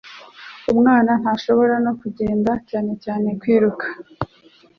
Umwana ntashobora no kugenda cyane cyane kwiruka